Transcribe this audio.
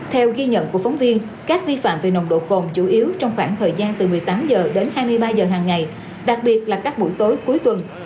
theo ghi nhận của phóng viên các vi phạm về nồng độ cồn chủ yếu trong khoảng thời gian từ một mươi tám h đến hai mươi ba h hàng ngày đặc biệt là các buổi tối cuối tuần